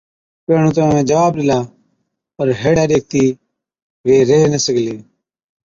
پيهڻُون تہ اُونهَين جواب ڏِلا، پَر هيڙَي ڏيکتِي وي ريه نہ سِگھلي